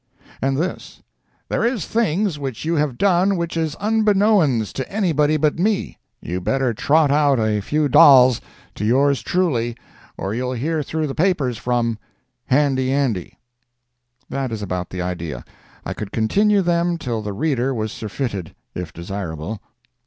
And this: There is things which you have done which is unbeknowens to anybody but me. You better trot out a few dols. to yours truly or you'll hear thro' the papers from HANDY ANDY. That is about the idea. I could continue them till the reader was surfeited, if desirable.